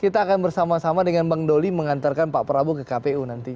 kita akan bersama sama dengan bang doli mengantarkan pak prabowo ke kpu nanti